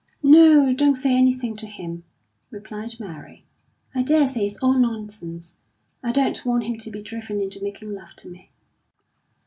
"No, don't say anything to him," replied Mary. "I daresay it's all nonsense. I don't want him to be driven into making love to me."